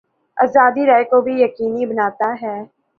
آزادیٔ رائے کو بھی یقینی بناتا ہے۔